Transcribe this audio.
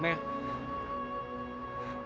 ibu salah grafis sus decir